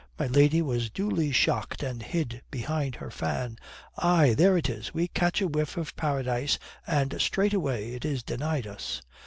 My lady was duly shocked and hid behind her fan. "Aye, there it is! We catch a whiff of paradise and straightway it is denied us.